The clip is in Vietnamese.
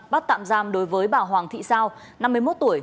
bắt tạm giam đối với bà hoàng thị sao năm mươi một tuổi